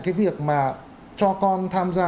cái việc mà cho con tham gia